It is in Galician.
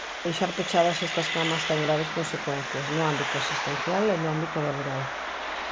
Deixar pechadas estas camas ten graves consecuencias, no ámbito asistencial e no ámbito laboral.